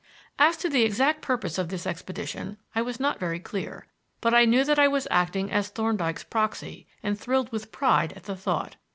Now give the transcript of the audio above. As to the exact purpose of this expedition, I was not very clear; but I knew that I was acting as Thorndyke's proxy and thrilled with pride at the thought.